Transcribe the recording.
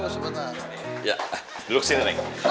oh duduk sini